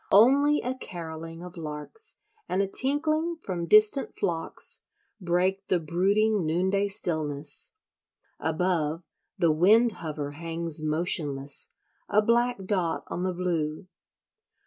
Only a carolling of larks and a tinkling from distant flocks break the brooding noonday stillness; above, the wind hover hangs motionless, a black dot on the blue.